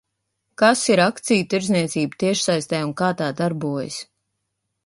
Kas ir akciju tirdzniecība tiešsaistē un kā tā darbojas?